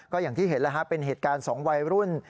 ก็อย่างที่เห็นแล้วฮะเป็นเหตุการณ์สองวัยรุ่น